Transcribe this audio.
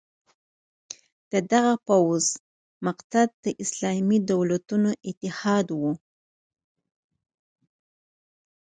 د دغه پوځ مقصد د اسلامي دولتونو اتحاد وو.